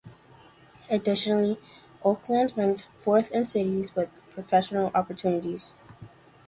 Additionally, Oakland ranked fourth in cities with professional opportunities.